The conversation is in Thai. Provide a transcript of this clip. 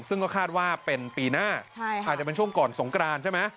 ซึ่งก็คาดว่าเป็นปีหน้าอาจจะเป็นช่วงก่อนสงกรานใช่ไหม